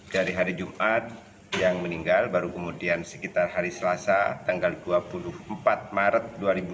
dari hari jumat yang meninggal baru kemudian sekitar hari selasa tanggal dua puluh empat maret dua ribu dua puluh